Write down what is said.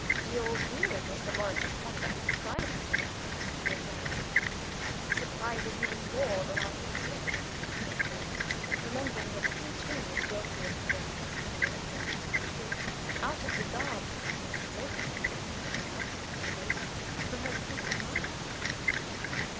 "Your view of Mr. Morris's conduct surprises me," he replied "surprises me more than I can say," he added; remembering that he too was guilty of having kept her in ignorance of the truth, out of regard mistaken regard, as it now seemed to be for her peace of mind.